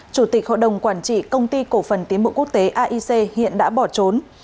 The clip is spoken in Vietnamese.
chủ tịch hội đồng quản trị công ty cổ phần tiến bộ quốc tế aic hiện đã bỏ trốn